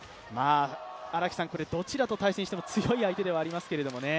これどちらと対戦しても強い相手ではありますけどね。